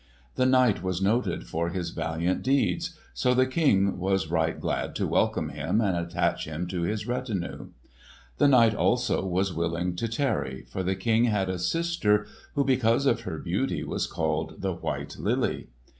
The knight was noted for his valiant deeds, so the King was right glad to welcome him and attach him to his retinue. The knight also was willing to tarry, for the King had a sister who because of her beauty was called the "White Lily."